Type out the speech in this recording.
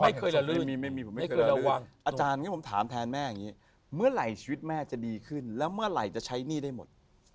ไม่เคยระลื้นอาจารย์เนี่ยผมถามแทนแม่อย่างนี้เมื่อไหร่ชีวิตแม่จะดีขึ้นแล้วเมื่อไหร่จะใช้หนี้ได้หมด